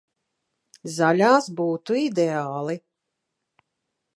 Zaļās būtu ideāli.